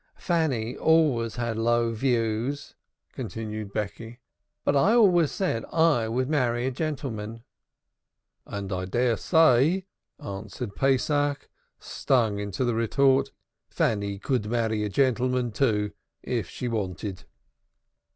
"Fanny always had low views," continued Becky. "But I always said I would marry a gentleman." "And I dare say," answered Pesach, stung into the retort, "Fanny could marry a gentlemen, too, if she wanted."